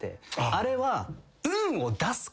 あれは。